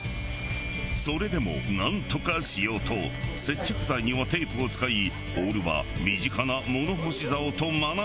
それでもなんとかしようと接着剤にはテープを使いオールは身近な物干し竿とまな板を駆使！